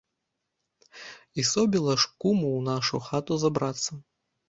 І собіла ж куму ў нашу хату забрацца?